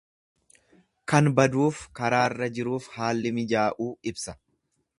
Kan baduuf karaarra jiruuf haalli mijaa'uu ibsa.